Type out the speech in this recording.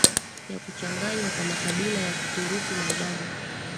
ya kuchanganywa kwa makabila ya Kituruki na idadi